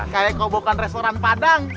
kayak kobokan restoran padang